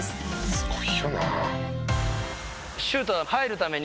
「すごいよな」